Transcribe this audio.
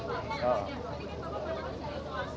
dan ini soalnya baik